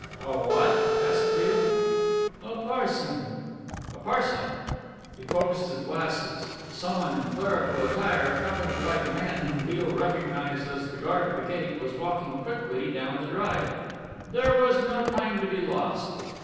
"A what?" asked Beale. "A parson." "A parson?" He focused his glasses. Some one in clerical attire accompanied by the man whom Beale recognized as the guard of the gate, was walking quickly down the drive. There was no time to be lost.